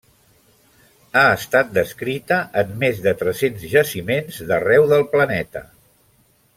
Ha estat descrita en més de tres-cents jaciments d'arreu del planeta.